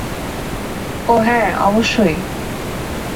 ওহ, হ্যা, অবশ্যই।